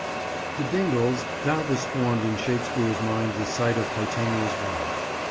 The Dingles, doubtless, formed in Shakespeare's mind the site of Titania's bower.